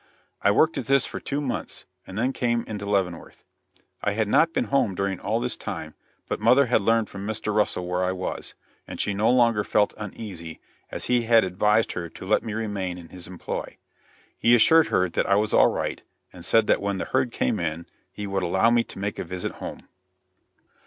I worked at this for two months, and then came into Leavenworth. I had not been home during all this time, but mother had learned from Mr. Russell where I was, and she no longer felt uneasy, as he had advised her to let me remain in his employ. He assured her that I was all right, and said that when the herd came in he would allow me to make a visit home.